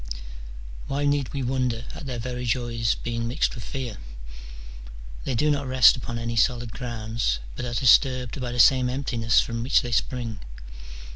Why need we wonder at their very joys being mixed with fear ? they do not rest upon any solid grounds, but are disturbed by the same emptiness from which they spring.